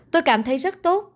tôi cảm thấy rất tốt